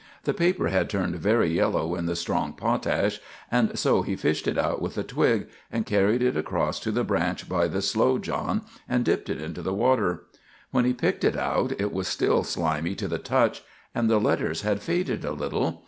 The paper had turned very yellow in the strong potash, and so he fished it out with a twig, and carried it across to the branch by the Slow John, and dipped it into the water. When he picked it out it was still slimy to the touch, and the letters had faded a little.